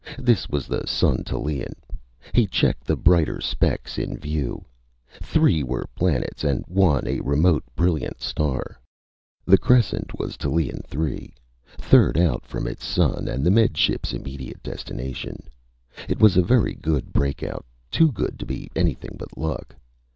This was the sun Tallien. He checked the brighter specks in view. Three were planets and one a remote brilliant star. The crescent was Tallien Three, third out from its sun and the Med Ship's immediate destination. It was a very good breakout; too good to be anything but luck.